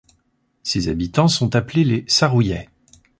Ses habitants sont appelés les Sarrouillais.